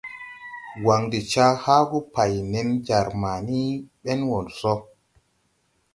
Wan de ca haagu pāy nen jar ma ni bɛn wɔ so.